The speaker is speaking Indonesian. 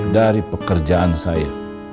dari pekerjaan saya